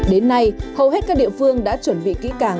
đến nay hầu hết các địa phương đã chuẩn bị kỹ càng